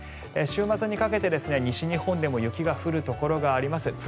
週末にかけて西日本でも雪が降るところがあります。